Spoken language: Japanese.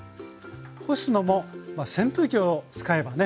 干すのもまあ扇風機を使えばね